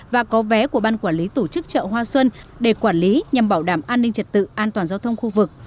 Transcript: và có vé của ban quản lý tổ chức chợ hoa xuân để quản lý nhằm bảo đảm an ninh trật tự an toàn giao thông khu vực